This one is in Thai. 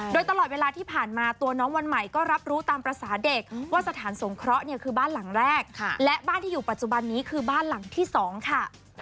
โดยตลอดเวลาที่ผ่านมาตัวน้องวันใหม่ก็รับรู้ตามภาษาเด็กว่าสถานสงเคราะห์เนี่ยคือบ้านหลังแรกและบ้านที่อยู่ปัจจุบันนี้คือบ้านหลังที่๒ค่ะ